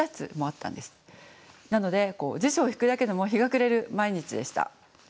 なので辞書を引くだけでも日が暮れる毎日でした。